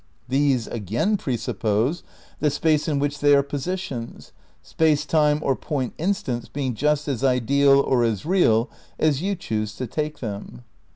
These, again presuppose the space in which they are posi tions; space time or point instants being just as ideal or as real as you choose to take them.